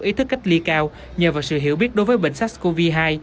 ý thức cách ly cao nhờ vào sự hiểu biết đối với bệnh sắc covid hai